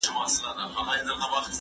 زه به اوږده موده کتابونه وړلي وم؟!